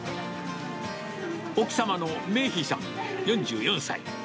奥様の明姫さん４４歳。